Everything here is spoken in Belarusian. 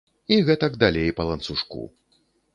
І гэтак далей па ланцужку.